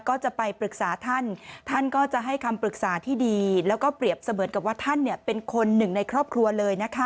ก็จะไปปรึกษาท่านท่านก็จะให้คำปรึกษาที่ดีแล้วก็เปรียบเสมือนกับว่าท่านเป็นคนหนึ่งในครอบครัวเลยนะคะ